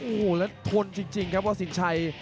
โอ้โหแล้วทนจริงครับว่าสินชัย